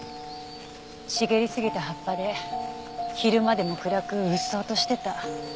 茂りすぎた葉っぱで昼間でも暗くうっそうとしてた。